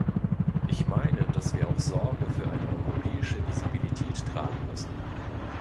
Ich meine, dass wir auch Sorge für eine europäische Visibilität tragen müssen.